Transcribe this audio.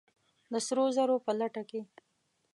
د سرو زرو په لټه کې!